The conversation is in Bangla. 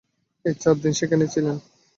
এই চার দিন সেখানেই ছিলেন?